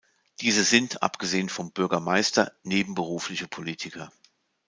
Diese sind, abgesehen vom Bürgermeister, nebenberufliche Politiker.